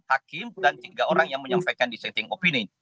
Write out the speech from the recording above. hakim dan tiga orang yang menyampaikan dissenting opini